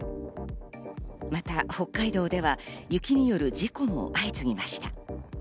また北海道では雪による事故も相次ぎました。